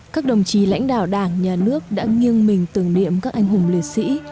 các đồng chí lãnh đạo đảng nhà nước đã nghiêng mình tưởng niệm các anh hùng liệt sĩ